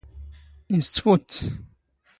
ⵉⵙ ⵜⴼⵓⴷⵜ?